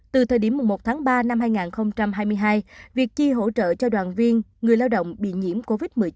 từ thời điểm một tháng ba năm hai nghìn hai mươi hai việc chi hỗ trợ cho đoàn viên người lao động bị nhiễm covid một mươi chín